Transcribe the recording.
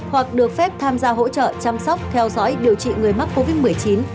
hoặc được phép tham gia hỗ trợ chăm sóc theo dõi điều trị người mắc covid một mươi chín